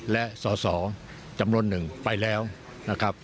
และสอสอจำนวนหนึ่งไปแล้วนะครับ